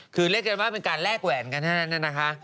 คือเรียกเก็บมาเป็นการแรกแหวนขนาดนั้นนะคะ